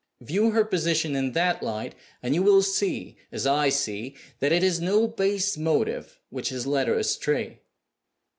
View her position in that light, and you will see (as I see) that it is no base motive which has led her astray.